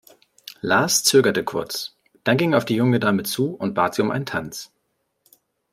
Lars zögerte kurz, dann ging er auf die junge Dame zu und bat sie um einen Tanz.